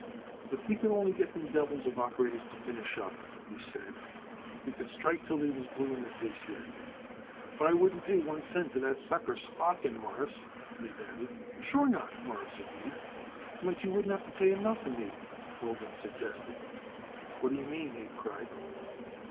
"If we could only get them devils of operators to finish up," he said, "they could strike till they was blue in the face yet." "But I wouldn't pay one cent to that sucker, Slotkin, Mawruss," Abe added. "Sure not," Morris agreed. "Might you wouldn't have to pay him nothing, maybe," Goldman suggested. "What d'ye mean?" Abe cried.